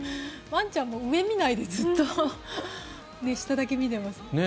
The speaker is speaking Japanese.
ワンちゃんも上を見ないでずっと下だけ見ていますよね。